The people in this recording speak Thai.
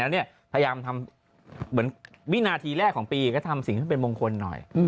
แล้วพยายามทำเหมือนวินาทีแรกของปีก็ทำสิ่งที่เป็นมงคลหน่อย